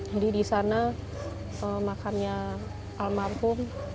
jadi disana makannya almarhum